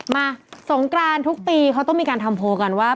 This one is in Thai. มาสงกรานทุกปีมีการทำโพค่รก่อนว่า